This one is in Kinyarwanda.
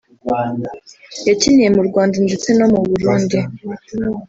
yakiniye mu Rwanda ndetse no mu Burundi